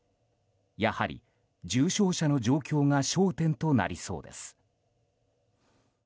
やはり、重症者の状況が焦点となりそうです。